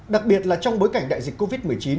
đặc biệt là trong bối cảnh đại dịch covid một mươi chín